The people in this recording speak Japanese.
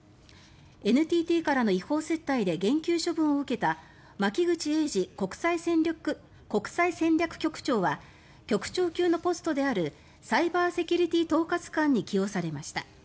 ＮＴＴからの違法接待で減給処分を受けた巻口英司国際戦略局長は局長級のポストであるサイバーセキュリティ統括官に起用されました。